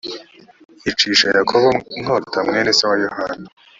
yicisha yakobo inkota mwene se wa yohana